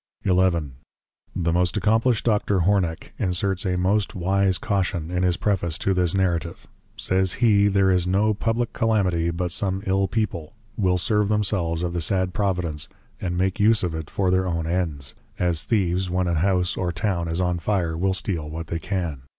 XI. The most Accomplished Dr. Horneck inserts a most wise caution, in his preface to this Narrative, says he, _there is no Public Calamity, but some ill people, will serve themselves of the sad providence, and make use of it for their own ends; as +Thieves+ when an house or town is on fire, will steal what they can.